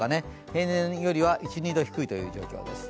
平年よりは１２度低いという状況です。